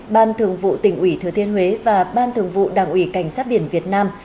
ban thường vụ tỉnh ủy thừa thiên huế và ban thường vụ đảng ủy cảnh sát biển việt nam